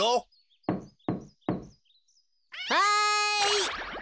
はい！